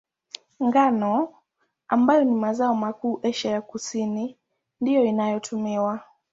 Ngano, ambayo ni mazao makuu Asia ya Kusini, ndiyo inayotumiwa.